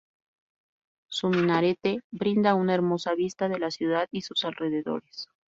Su minarete brinda una hermosa vista de la ciudad y sus alrededores.